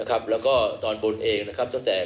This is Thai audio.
ประเทศไทยและอ่าวไทย